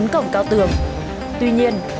còn là trong nước